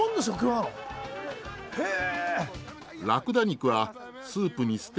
へえ。